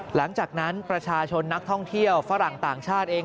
หลังจากนั้นประชาชนนักท่องเที่ยวฝรั่งต่างชาติเอง